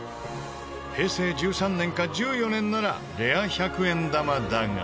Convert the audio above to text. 平成１３年か１４年ならレア１００円玉だが。